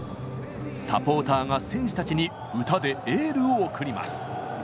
サポーターが選手たちに歌でエールを送ります。